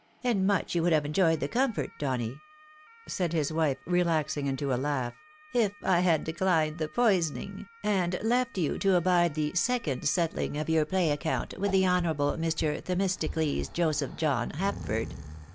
" And much you would have enjoyed the comfort, Donny," said his wife, relaxing into a laugh, " if I had declined the poison ing, and left you to abide the second settling of your play account with the honourable Mr. Themistocles Joseph John Hapford."